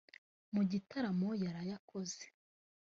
Mu gitaramo yaraye akoze